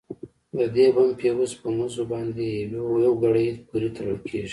د دې بم فيوز په مزو باندې يوې ګړۍ پورې تړل کېږي.